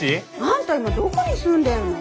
あんた今どこに住んでるの？